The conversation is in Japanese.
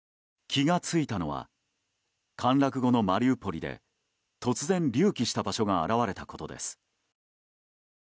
気が付いたのは陥落後のマリウポリで突然、隆起した場所が現れたことです。